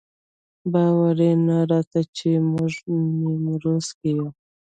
باور یې نه راته چې موږ نیمروز کې یو.